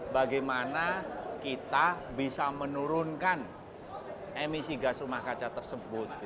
bagaimana kita bisa menurunkan emisi gas rumah kaca tersebut